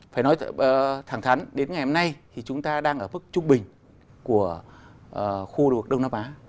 phải nói thẳng thắn đến ngày hôm nay thì chúng ta đang ở mức trung bình của khu vực đông nam á